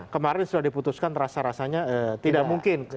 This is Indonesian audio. kemarin sudah diputuskan rasa rasanya tidak mungkin